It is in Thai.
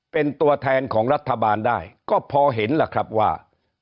เป็นตัวแทนของรัฐบาลได้ก็พอเห็นล่ะครับว่า